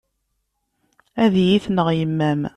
Ad iyi-tneɣ yemma-m.